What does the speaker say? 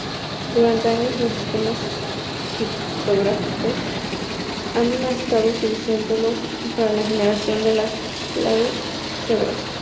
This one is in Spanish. Durante años los sistemas criptográficos han estado utilizándolos para la generación de claves seguras.